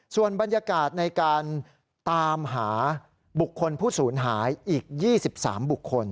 ส่วนบรรยากาศในการตามหาบุคคลผู้สูญหายอีก๒๓บุคคล